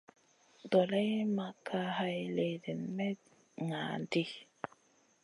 Doleyna ma ka hay léhdéna may ŋah ɗi.